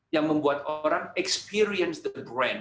yang membuat orang mengalami perasaan